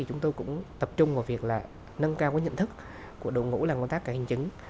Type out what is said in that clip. chúng tôi cũng tập trung vào việc nâng cao nhận thức của đội ngũ làm công tác hình chính